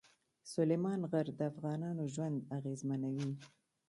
سلیمان غر د افغانانو ژوند اغېزمنوي.